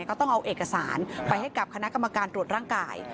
ต้องเอาเอกสารไปให้กับคณะกรรมการตรวจร่างกาย